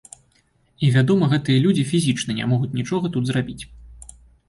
І, вядома, гэтыя людзі фізічна не могуць нічога тут зрабіць.